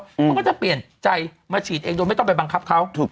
เขาก็จะเปลี่ยนใจมาฉีดเองโดยไม่ต้องไปบังคับเขาถูก